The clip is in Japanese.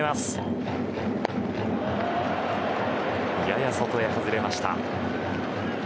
やや外に外れました。